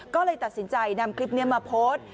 ก็เลยตัดสินใจนำคลิปนี้มาโพสต์